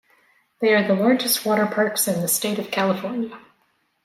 They are the largest water parks in the state of California.